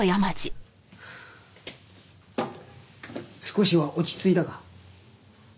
少しは落ち着いたか？